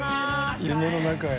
「夢の中へ」